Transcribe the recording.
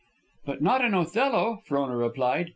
"But not an Othello," Frona replied.